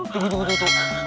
tunggu tunggu tunggu